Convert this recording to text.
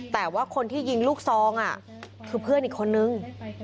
แต่ว่าคนที่ยิงลูกซองคือเพื่อนอีกคนนึง